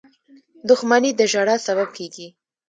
• دښمني د ژړا سبب کېږي.